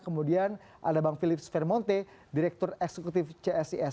kemudian ada bang philips vermonte direktur eksekutif csis